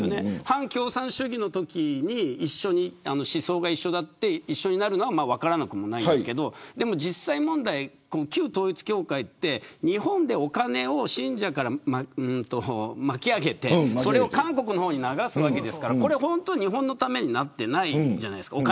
反共産主義のときに思想が一緒で一緒になるのは分からなくもないんですが実際問題、旧統一教会は日本でお金を信者から、まき上げてそれを韓国の方に流すわけですから本当に日本のためになってないじゃないですか。